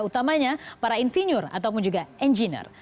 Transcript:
utamanya para insinyur ataupun juga engineer